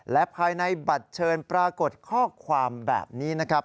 และภายในบัตรเชิญปรากฏข้อความแบบนี้นะครับ